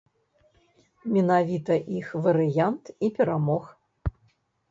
Менавіта іх варыянт і перамог.